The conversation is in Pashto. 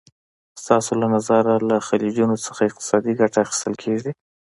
ستاسو له نظره له خلیجونو څخه اقتصادي ګټه اخیستل کېږي؟